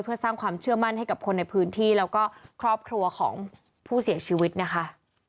เพื่อสร้างความเชื่อมั่นให้กับคนในพื้นที่แล้วก็ครอบครัวของผู้เสียชีวิตนะคะ